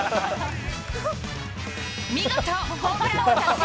見事ホームランを達成。